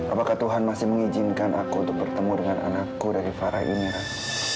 apakah tuhan masih mengizinkan aku untuk bertemu dengan anakku dari farah ini kan